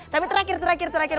tapi terakhir terakhir terakhir